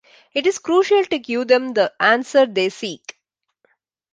It is crucial to give them the answer they seek.